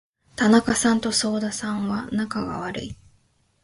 田中さんと左右田さんは仲が悪い。